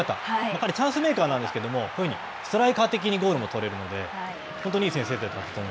彼、チャンスメーカーなんですけれども、こういうふうにストライカー的にゴールも取れるので、本当にいい